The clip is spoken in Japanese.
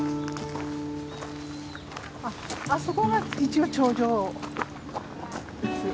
あっあそこが一応頂上です。